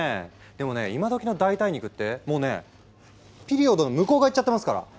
でもね今どきの代替肉ってもうねピリオドの向こう側いっちゃってますから！